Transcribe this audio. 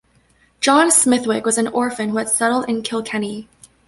John Smithwick was an orphan who had settled in Kilkenny.